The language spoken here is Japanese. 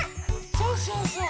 そうそうそう。